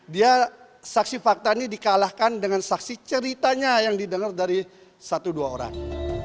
dia saksi fakta ini dikalahkan dengan saksi ceritanya yang didengar dari satu dua orang